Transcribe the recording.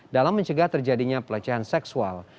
dalam mencegah terjadinya pelecehan seksual